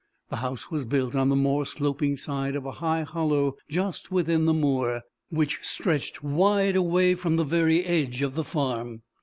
The house was built on the more sloping side of a high hollow just within the moor, which stretched wide away from the very edge of the farm.